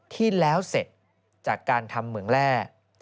ที่แล้วเสร็จจากการทำเหมืองแร่